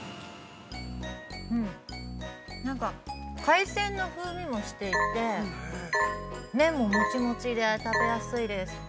◆なんか海鮮の風味もしていて、麺ももちもちで、食べやすいです。